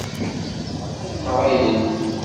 Welleh ar d ɛemrayen.